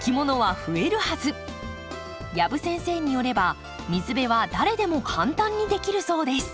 養父先生によれば水辺は誰でも簡単にできるそうです。